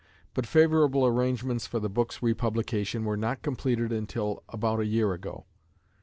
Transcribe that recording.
But favorable arrangements for the book's republication were not completed until about a year ago.